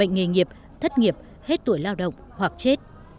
nghề nghiệp thất nghiệp hết tuổi lao động hoặc chết